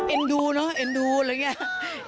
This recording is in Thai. เอ็นดูนะเอ็นดูอะไรอย่างนี้